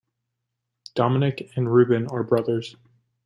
Domenic and Reuben are brothers.